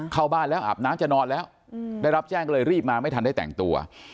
เข้าบ้านแล้วอาบน้ำจะนอนแล้วได้รับแจ้งก็เลยรีบมาไม่ทันได้แต่งตัว